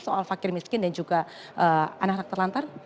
soal fakir miskin dan juga anak anak terlantar